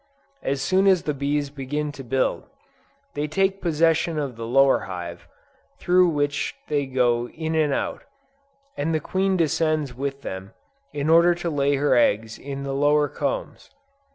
As soon as the bees begin to build, they take possession of the lower hive, through which they go in and out, and the queen descends with them, in order to lay her eggs in the lower combs.